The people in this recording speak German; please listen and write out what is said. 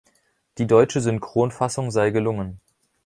Die deutsche Synchronfassung sei gelungen.